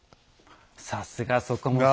さすがそこも鋭い。